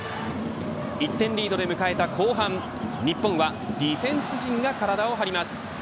１点リードで迎えた後半、日本はディフェンス陣が体を張ります。